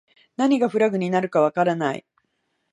何がフラグになるかわからない